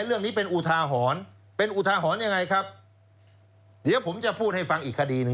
เรื่องนี้เป็นอุทาหรณ์เป็นอุทาหรณ์ยังไงครับเดี๋ยวผมจะพูดให้ฟังอีกคดีหนึ่ง